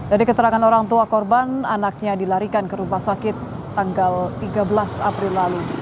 dari keterangan orang tua korban anaknya dilarikan ke rumah sakit tanggal tiga belas april lalu